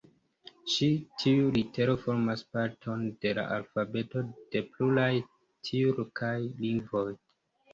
Ĉi tiu litero formas parton de la alfabeto de pluraj tjurkaj lingvoj.